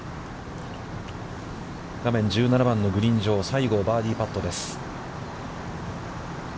画面１７番のグリーン上、西郷、バーディーパットです。